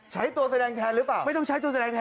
ใช้ตัวแสดงแทนหรือเปล่า